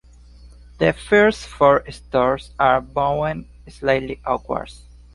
The first four stories are bowed slightly outward.